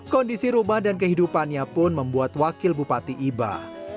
kondisi rumah dan kehidupannya pun membuat wakil bupati ibah